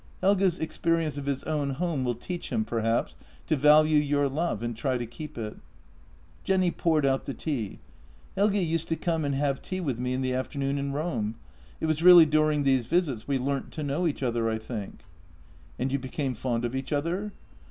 Helge's experience of his own home will teach him, perhaps, to value your love and try to keep it." Jenny poured out the tea: " Helge used to come and have tea with me in the afternoon in Rome — it was really during these visits we learnt to know each other, I think." " And you became fond of each other?